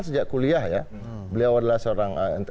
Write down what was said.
sejak kuliah ya beliau adalah seorang